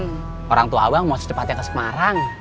halangan orang tua abang mau secepatnya ke semarang